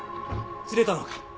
釣れたのか？